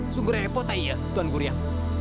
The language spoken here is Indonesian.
sungguh repot tuan gurian